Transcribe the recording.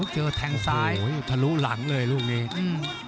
เจอแทงซ้ายโอ้โหทะลุหลังเลยลูกนี้อืม